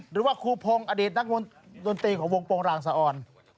หรือว่าครูพงศ์อดีตนักดนตรีของวงโปรงรางสะอ่อน